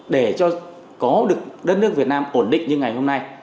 để cho có được đất nước việt nam ổn định như ngày hôm nay